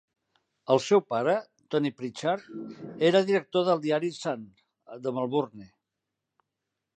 El seu pare, Tom Prichard, era editor del diari "Sun" de Melbourne.